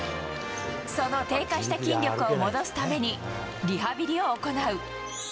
その低下した筋力を戻すために、リハビリを行う。